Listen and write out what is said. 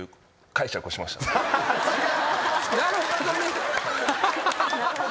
なるほどね。